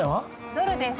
ドルです